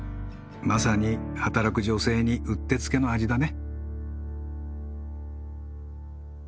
まさに働く女性にうってつけの味だね。